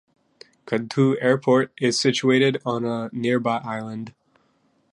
Kadhdhoo Airport is situated on a nearby island.